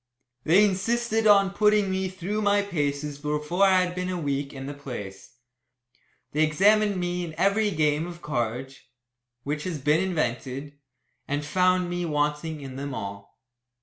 They insisted on putting me through my paces before I had been a week in the place. They examined me in every game of cards which has been invented and found me wanting in them all.